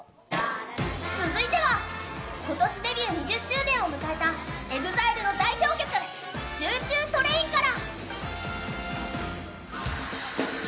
続いては今年デビュー２０周年を迎えたＥＸＩＬＥの代表曲、「ＣｈｏｏＣｈｏｏＴＲＡＩＮ」から。